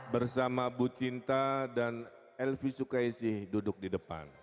bersama bu cinta dan elvi sukaisi duduk di depan